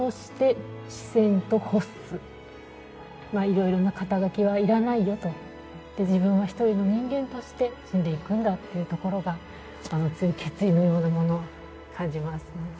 色々な肩書はいらないよと自分は一人の人間として死んでいくんだというところが強い決意のようなものを感じますね。